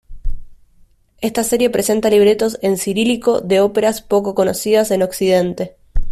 Esta serie presenta libretos en cirílico de óperas poco conocidas en Occidente.